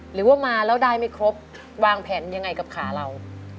หรือว่ามาแล้วได้ไม่ครบวางแผนยังไงกับขาเรา